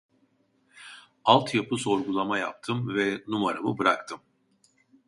Alt yapı sorgulama yaptım ve numaramı bıraktım